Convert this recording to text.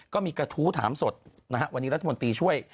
ก็มีกระทู้ถามสดนะฮะวันนี้รัฐมนตรีช่วย